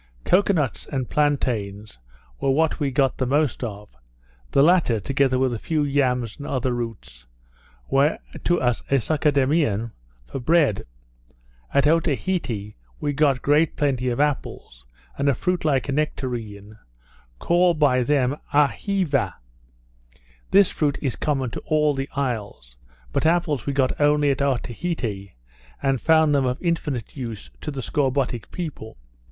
Cocoa nuts and plantains were what we got the most of; the latter, together with a few yams and other roots, were to us a succedaneum for bread. At Otaheite we got great plenty of apples, and a fruit like a nectarine, called by them Aheeva. This fruit was common to all the isles; but apples we got only at Otaheite, and found them of infinite use to the scorbutic people.